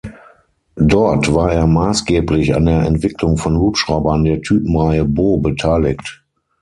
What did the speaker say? Dort war er maßgeblich an der Entwicklung von Hubschraubern der Typenreihe Bo beteiligt.